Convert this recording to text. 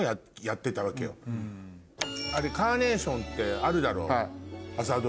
あれ『カーネーション』ってあるだろ朝ドラ。